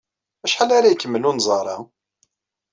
Acḥal ara ikemmel unẓar-a?